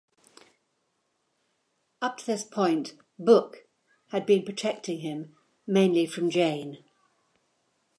Up to this point, Book had been protecting him, mainly from Jayne.